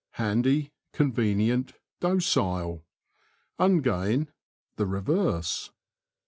— Handy, convenient, docile. Ungain. — The reverse.